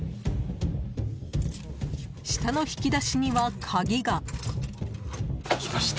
下の引き出しには、鍵が。